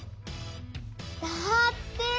だって！